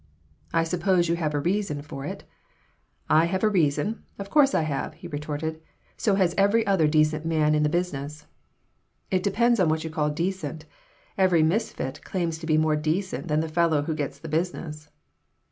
"I suppose you have a reason for it." "I have a reason? Of course I have," he retorted. "So has every other decent man in the business." "It depends on what you call decent. Every misfit claims to be more decent than the fellow who gets the business."